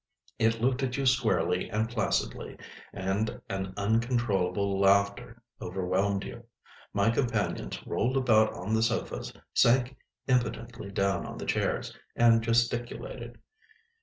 It looked at you squarely, and placidly—and an uncontrollable laughter overwhelmed you. My companions rolled about on the sofas, sank impotently down on the chairs, and gesticulated.